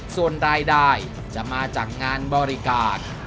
ส่วนรายได้จะมาจากงานบริการ